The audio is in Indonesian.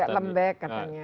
tidak lembek katanya